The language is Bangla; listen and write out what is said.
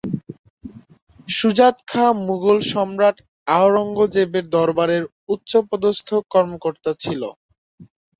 সুজাত খাঁ মুঘল সম্রাট আওরঙ্গজেবের দরবারের উচ্চপদস্থ কর্মকর্তা ছিল।